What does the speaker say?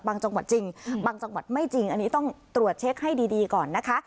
จังหวัดจริงบางจังหวัดไม่จริงอันนี้ต้องตรวจเช็คให้ดีก่อนนะคะ